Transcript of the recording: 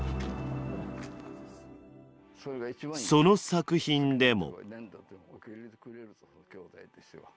その作品でも。